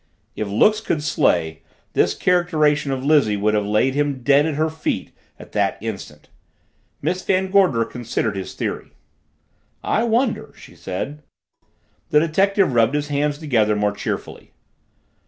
If looks could slay, his characterization of Lizzie would have laid him dead at her feet at that instant. Miss Van Gorder considered his theory. "I wonder," she said. The detective rubbed his hands together more cheerfully.